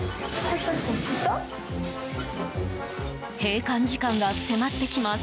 閉館時間が迫ってきます。